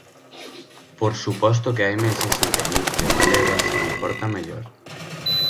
Por suposto que hai meses en que a industria galega se comporta mellor.